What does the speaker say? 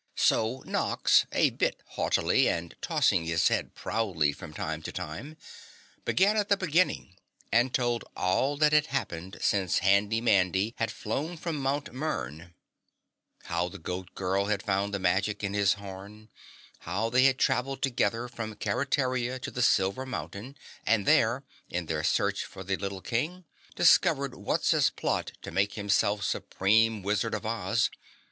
So Nox, a bit haughtily and tossing his head proudly from time to time, began at the beginning and told all that had happened since Handy Mandy had flown from Mt. Mern. How the Goat Girl had found the magic in his horn, how they had traveled together from Keretaria to the Silver Mountain and there, in their search for the little King, discovered Wutz's plot to make himself Supreme Wizard of Oz.